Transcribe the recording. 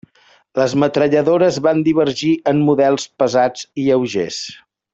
Les metralladores van divergir en models pesats i lleugers.